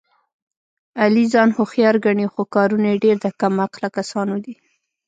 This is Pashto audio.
علي ځان هوښیار ګڼي، خو کارونه یې ډېر د کم عقله کسانو دي.